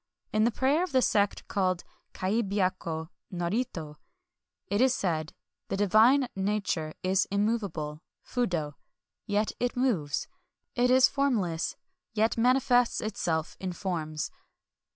In the prayer of the sect called Kaibyaku Norito it is said :—" The divine nature is im movable (fudo) ; yet it moves. It is formless, yet mani fests itself in forms.